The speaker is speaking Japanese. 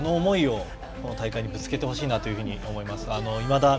その思いをこの大会にぶつけてほしいなと思います。